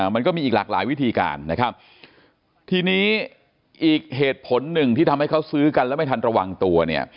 มันก็มีอีกหลากหลายวิธีการนะครับทีนี้อีกเหตุผลหนึ่งที่ทำให้เขาซื้อกันแล้วไม่ทันระวังตัวเนี่ย